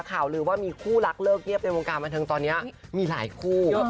ข่าวลือว่ามีคู่รักเลิกเงียบในวงการบันเทิงตอนนี้มีหลายคู่